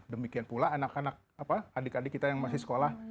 demikian pula anak anak adik adik kita yang masih sekolah